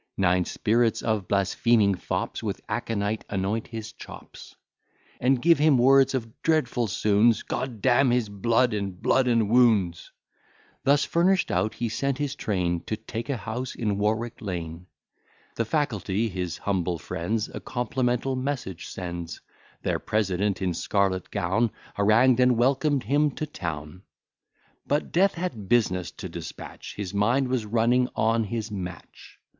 Nine spirits of blaspheming fops, With aconite anoint his chops; And give him words of dreadful sounds, G d d n his blood! and b d and w ds!' Thus furnish'd out, he sent his train To take a house in Warwick lane: The faculty, his humble friends, A complimental message sends: Their president in scarlet gown Harangued, and welcomed him to town. But Death had business to dispatch; His mind was running on his match.